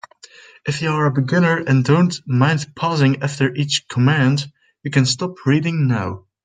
If you are a beginner and don't mind pausing after each command, you can stop reading now.